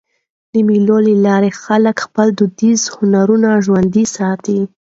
د مېلو له لاري خلک خپل دودیز هنرونه ژوندي ساتي.